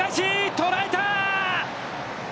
捉えた！